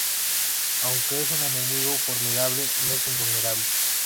Aunque es un enemigo formidable, no es invulnerable.